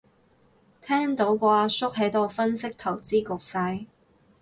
聽到個阿叔喺度分析投資局勢